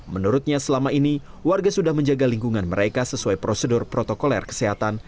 menurutnya selama ini warga sudah menjaga lingkungan mereka sesuai prosedur protokol air kesehatan